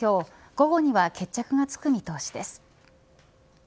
午後には決着がつく見通しです。